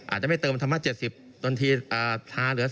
อาจจะไม่เติมธรรมะ๗๐บางทีทาเหลือ